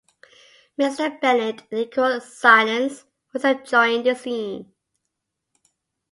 Mr. Bennet, in equal silence, was enjoying the scene.